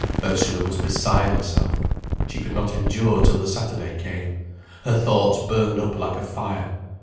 Ursula was beside herself. She could not endure till the Saturday came, her thoughts burned up like a fire.